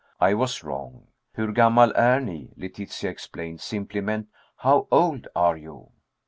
I was wrong. "Hur gammal är ni," Letitia explained, simply meant, "How old are you?"